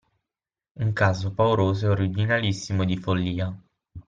Un caso pauroso e originalissimo di follia.